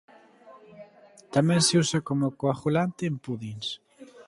Tamén se usa como coagulante en pudins.